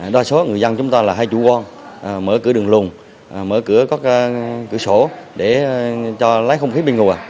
đa số người dân chúng ta là hai chủ quân mở cửa đường lùng mở cửa cửa sổ để cho lái không khí bình ngùa